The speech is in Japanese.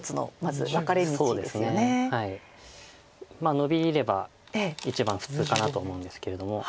ノビれば一番普通かなと思うんですけれども。